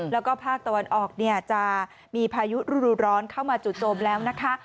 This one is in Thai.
แล้วก็ภาคตะวันออกเนี่ยจะมีพายุฤดูร้อนเข้ามาจุดโจมแล้วนะคะ